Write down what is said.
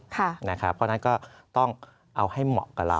เพราะฉะนั้นก็ต้องเอาให้เหมาะกับเรา